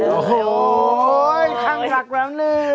โอ้โหยท่านทรักแบบนึง